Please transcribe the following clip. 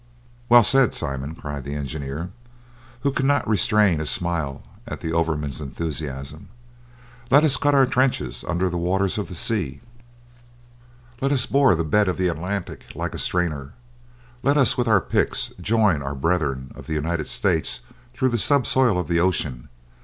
"Well said, Simon," cried the engineer, who could not restrain a smile at the overman's enthusiasm; "let us cut our trenches under the waters of the sea! Let us bore the bed of the Atlantic like a strainer; let us with our picks join our brethren of the United States through the subsoil of the ocean!